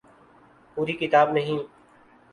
پوری کتاب نہیں۔